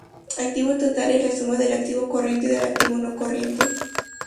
Activo total es la suma del activo corriente y del activo no corriente.